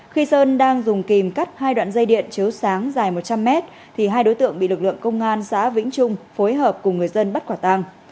khi sơn đang dùng kìm cắt hai đoạn dây điện chiếu sáng dài một trăm linh mét thì hai đối tượng bị lực lượng công an xã vĩnh trung phối hợp cùng người dân bắt quả tàng